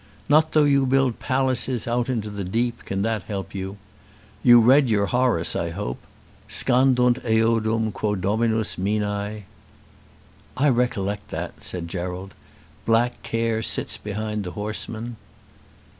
Not though you build palaces out into the deep, can that help you. You read your Horace, I hope. 'Scandunt eodum quo dominus minæ.'" "I recollect that," said Gerald. "Black care sits behind the horseman."